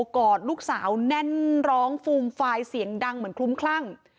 กอดลูกสาวแน่นร้องฟูมฟายเสียงดังเหมือนคลุ้มคลั่ง